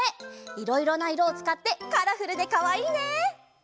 いろいろないろをつかってカラフルでかわいいね！